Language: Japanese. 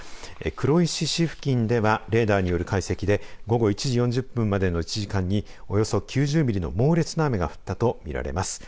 黒石市付近ではレーダーによる解析で午後１時４０分までの１時間におよそ９０ミリの猛烈な雨が降ったと見られます。